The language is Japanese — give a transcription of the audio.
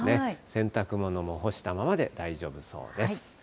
洗濯物も干したままで大丈夫そうです。